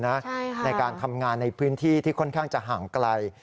ใช่ค่ะในการทำงานในพื้นที่ที่ค่อนข้างจะห่างไกล